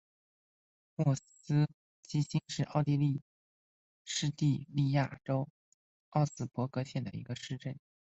莫斯基兴是奥地利施蒂利亚州沃茨伯格县的一个市镇。